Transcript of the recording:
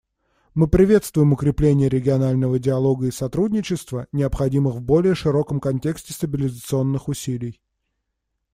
Мы приветствуем укрепление регионального диалога и сотрудничества, необходимых в более широком контексте стабилизационных усилий.